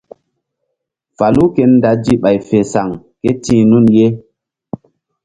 Falu ke dazi bay fe saŋ kéti̧h nun ye.